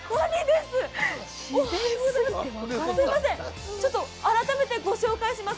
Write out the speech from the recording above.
すいません、ちょっと改めてご紹介します。